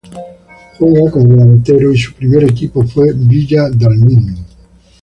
Juega como delantero y su primer equipo fue Villa Dálmine.